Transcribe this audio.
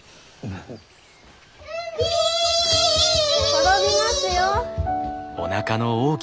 転びますよ！